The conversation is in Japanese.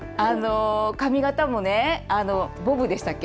髪型もねボブでしたっけ